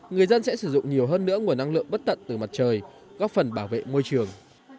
người dân sẽ sử dụng nhiều hơn nữa nguồn năng lượng bất tận từ mặt trời góp phần bảo vệ môi trường